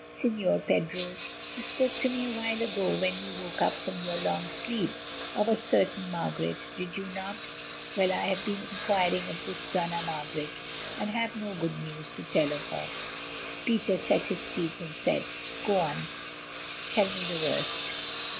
"Señor Pedro, you spoke to me a while ago, when you woke up from your long sleep, of a certain Margaret, did you not? Well, I have been inquiring of this Dona Margaret, and have no good news to tell of her." Peter set his teeth, and said: "Go on, tell me the worst."